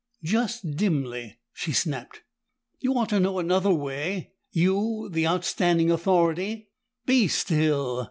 "Just dimly!" she snapped. "You ought to know another way you, the outstanding authority " "Be still!"